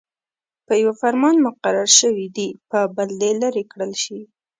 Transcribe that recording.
په يوه فرمان مقرر شوي دې په بل دې لیرې کړل شي.